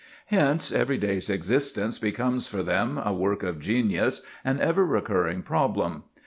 Hence, every day's existence becomes for them "a work of genius, an ever recurring problem."